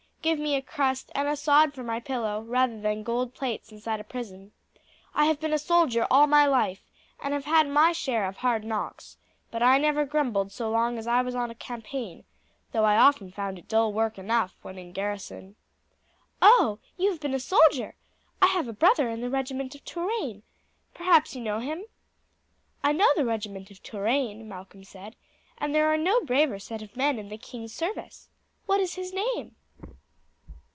Give me a crust, and a sod for my pillow, rather than gold plates inside a prison. I have been a soldier all my life, and have had my share of hard knocks; but I never grumbled so long as I was on a campaign, though I often found it dull work enough when in garrison." "Oh, you have been a soldier! I have a brother in the regiment of Touraine. Perhaps you know him?" "I know the regiment of Touraine," Malcolm said; "and there are no braver set of men in the king's service. What is his name?"